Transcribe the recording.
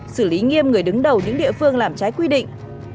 xử lý nghiêm người đứng đầu những địa phương làm trái quy định